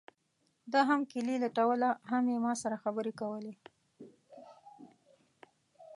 ده هم کیلي لټوله هم یې ما سره خبرې کولې.